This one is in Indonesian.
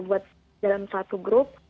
buat dalam satu grup